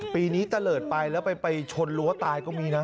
ปีนี้ตะเลิศไปแล้วไปชนรั้วตายก็มีนะ